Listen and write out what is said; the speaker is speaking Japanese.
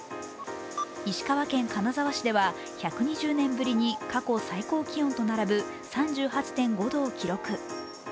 石川県金沢市では、１２０年ぶりに過去最高気温と並ぶ３８．５度を記録。